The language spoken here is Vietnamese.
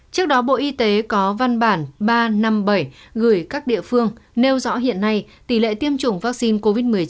trước đó bộ y tế có văn bản ba trăm năm mươi bảy gửi các địa phương nêu rõ hiện nay tỷ lệ tiêm chủng vaccine covid một mươi chín